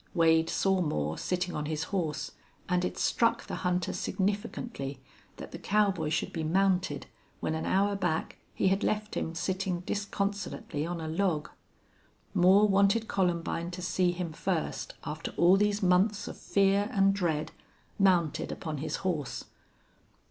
Wade saw Moore sitting on his horse. And it struck the hunter significantly that the cowboy should be mounted when an hour back he had left him sitting disconsolately on a log. Moore wanted Columbine to see him first, after all these months of fear and dread, mounted upon his horse.